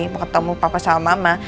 mau ketemu papa sama mama